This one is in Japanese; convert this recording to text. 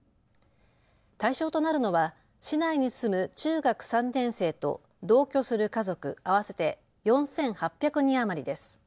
対象となるのは市内に住む中学３年生と同居する家族、合わせて４８００人余りです。